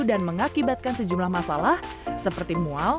mengakibatkan sejumlah masalah seperti mual